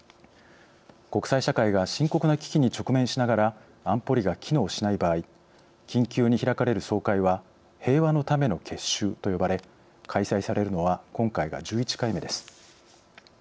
国際社会が深刻な危機に直面しながら安保理が機能しない場合緊急に開かれる総会は平和のための結集と呼ばれ開催されるのは今回が１１回目です。